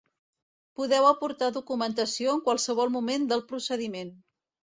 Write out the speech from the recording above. Podeu aportar documentació en qualsevol moment del procediment.